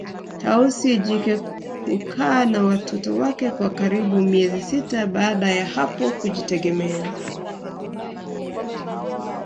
Tausi jike hukaa na watoto wake kwa karibu miezi sita baada ya hapo hujitegemea